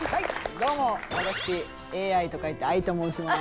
どうも私ＡＩと書いてＡＩと申します。